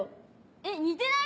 えっ似てない？